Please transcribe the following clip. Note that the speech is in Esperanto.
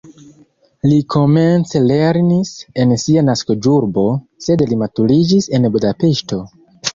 Li komence lernis en sia naskiĝurbo, sed li maturiĝis en Budapeŝto.